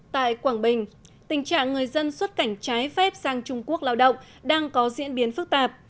tại quảng bình tình trạng người dân xuất cảnh trái phép sang trung quốc lao động đang có diễn biến phức tạp